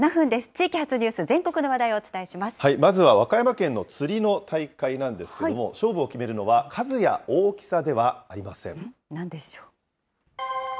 地域発ニュース、全国の話題をおまずは和歌山県の釣りの大会なんですけれども、勝負を決めるのは数や大きさではありません。